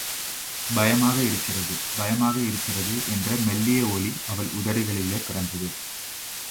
பயமாக இருக்கிறது, பயமாக இருக்கிறது என்ற மெல்லிய ஒலி அவள் உதடுகளிலே பிறந்தது.